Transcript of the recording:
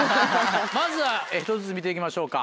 まずは１つずつ見て行きましょうか。